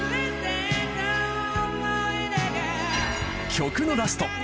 曲のラスト